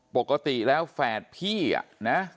ปกติแล้วแฝดพี่อ่ะนะ